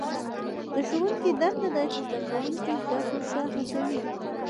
د ښوونکي دنده ده چې زده کوونکي زده کړو ته هڅوي.